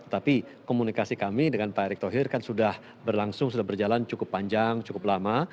tetapi komunikasi kami dengan pak erick thohir kan sudah berlangsung sudah berjalan cukup panjang cukup lama